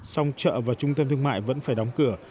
song chợ và trung tâm thương mại vẫn phải đóng cửa